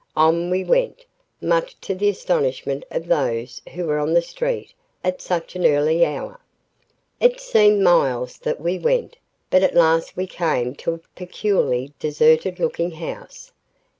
On we went, much to the astonishment of those who were on the street at such an early hour. It seemed miles that we went, but at last we came to a peculiarly deserted looking house.